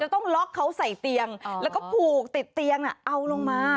ต้องล็อกเขาใส่เตียงแล้วก็ผูกติดเตียงเอาลงมา